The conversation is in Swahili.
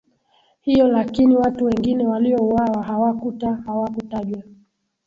hiyo Lakini watu wengine waliouawa hawakuta hawakutajwa